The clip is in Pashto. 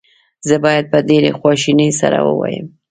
زه باید په ډېرې خواشینۍ سره ووایم.